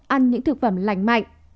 ăn những thực phẩm lành mạnh